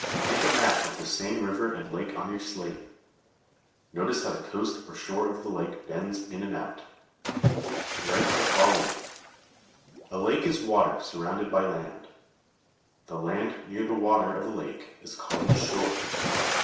Make a map of the same river and lake on your slate. Notice how the coast or shore of the lake bends in and out. Write the following: A lake is water surrounded by land. The land near the water of a lake is called its shore.